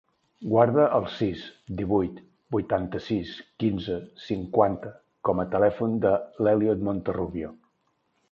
Guarda el sis, divuit, vuitanta-sis, quinze, cinquanta com a telèfon de l'Elliot Monterrubio.